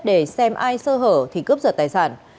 để xem ai sơ hở thì cướp giật tài sản